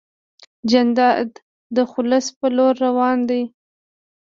جانداد د خلوص په لور روان دی.